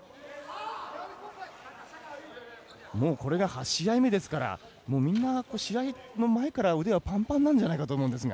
これが８試合目ですからみんな試合の前から腕はパンパンなんじゃないかと思いますが。